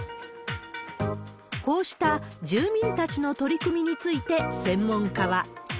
こうした住民たちの取り組みについて専門家は。